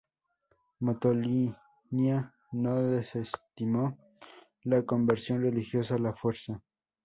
Motolinía no desestimó la conversión religiosa a la fuerza.